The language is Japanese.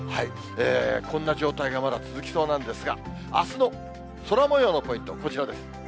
こんな状態がまだ続きそうなんですが、あすの空もようのポイント、こちらです。